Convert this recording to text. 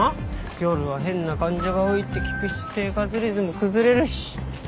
夜は変な患者が多いって聞くし生活リズム崩れるし。